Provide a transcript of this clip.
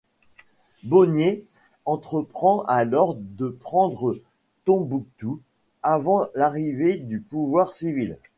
Bonnier entreprend alors de prendre Tombouctou avant l’arrivée du pouvoir civil.